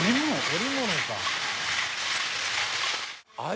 織物か。